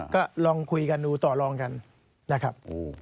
ก็ลองคุยกันดูต่อลองกันนะครับ